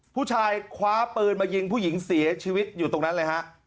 ผู้ชายคว้าปืนมายิงผู้หญิงเสียชีวิตอยู่ตรงนั้นเลยฮะ